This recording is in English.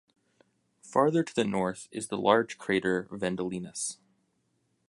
Farther to the north is the large crater Vendelinus.